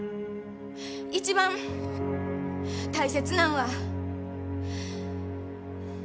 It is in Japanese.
一番大切なんは。